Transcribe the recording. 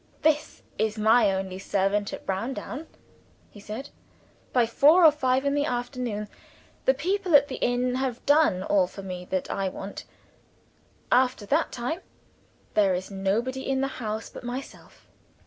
"This is my only servant at Browndown," he said. "By four or five in the afternoon, the people at the inn have done all for me that I want. After that time, there is nobody in the house but myself."